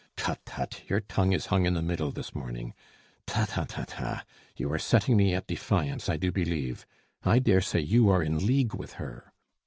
"Tut, tut! Your tongue is hung in the middle this morning. Ta, ta, ta, ta! You are setting me at defiance, I do believe. I daresay you are in league with her."